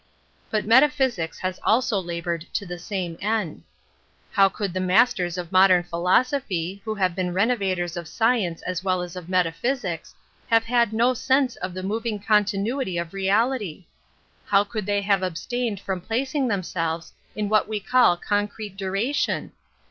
But metaphysics has also labored to the Kame end. ^ow could the masters of modem philoso phy, who have been renovators of science as well as of metaphysics, have had no sense of the moving continuity of reality? How could they have abstained from placing themselves in what we call concrete dura tion?